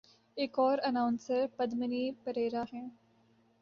ایک اور اناؤنسر پدمنی پریرا ہیں۔